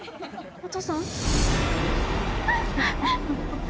お父さん？